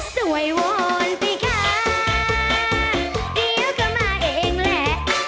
สวยวอนไปค่ะเดี๋ยวก็มาเองแหละ